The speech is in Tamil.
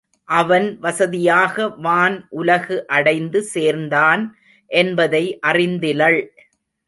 அவன் வசதியாக வான் உலகு அடைந்து சேர்ந்தான் என்பதை அறிந்திலள்.